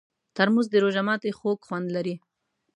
ترموز د روژه ماتي خوږ خوند لري.